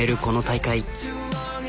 この大会。